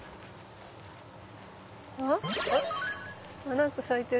何か咲いてる。